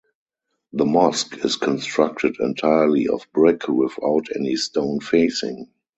The mosque is constructed entirely of brick without any stone facing.